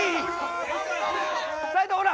斉藤ほら